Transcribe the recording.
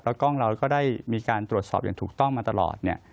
กล้องเราก็ได้มีการตรวจสอบอย่างถูกต้องมาตลอดเนี่ย